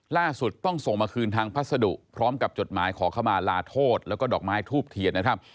ล่าสุดต้องส่งมาคืนทางพัสดุพร้อมกับจดหมายขอเข้ามาลาโทษแล้วก็ดอกไม้ทูบเทียนนะครับ